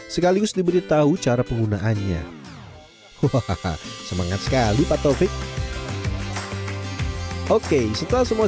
sekaligus diberitahu cara penggunaannya hahaha semangat sekali pak taufik oke setelah semua